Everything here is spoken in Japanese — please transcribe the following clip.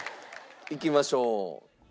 いきましょう。